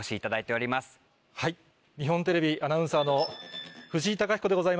日本テレビアナウンサーの藤井貴彦でございます。